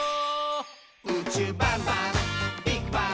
「うちゅうバンバンビッグバン！」